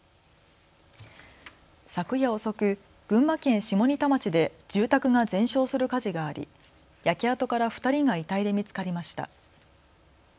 昨夜遅く、群馬県下仁田町で住宅が全焼する火事があり焼け跡から２人が遺体で見つかりました。